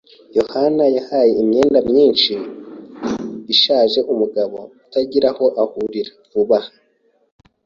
yohani yahaye imyenda myinshi ishaje umugabo utagira aho ahurira vuba aha.